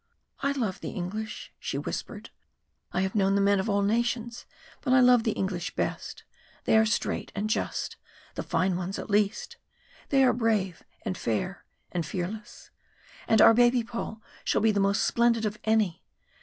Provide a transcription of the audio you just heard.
"I love the English," she whispered. "I have known the men of all nations but I love the English best. They are straight and just the fine ones at least. They are brave and fair and fearless. And our baby Paul shall be the most splendid of any.